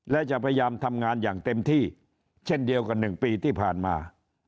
และจะพยายามทำงานอย่างเต็มที่เช่นเดียวกับ๑ปีที่ผ่านมา